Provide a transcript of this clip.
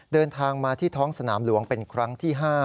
เดินทางมาที่ท้องสนามหลวงเป็นครั้งที่๕